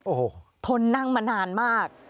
โอ้โหทนนั่งมานานมาก